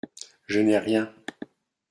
Je n’ai rien.